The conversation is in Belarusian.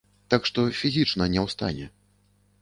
Так што фізічна не ў стане.